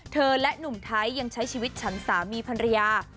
และหนุ่มไทยยังใช้ชีวิตฉันสามีภรรยา